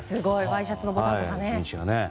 ワイシャツのボタンとかね。